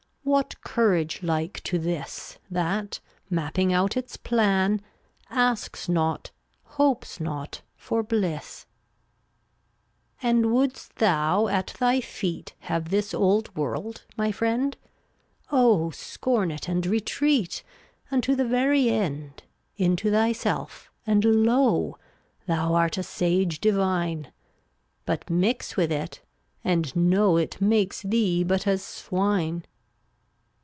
J What courage like to this, That, mapping out its plan, Asks not, hopes not, for bliss? 354 And wouldst thou at thy feet Have this old world, my friend? Oh, scorn it, and retreat, Unto the very end, Into thyself; and lo! Thou art a sage divine; But mix with it — and know It makes thee but as swine.